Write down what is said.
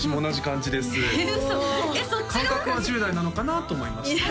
感覚は１０代なのかなと思いましたね